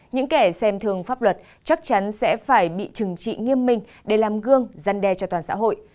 những kẻ xem thường pháp luật chắc chắn sẽ phải bị trừng trị nghiêm minh để làm gương gian đe cho toàn xã hội